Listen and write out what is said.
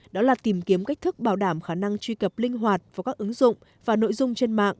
đó là tìm kiếm cách thức bảo đảm khả năng truy cập linh hoạt vào các ứng dụng và nội dung trên mạng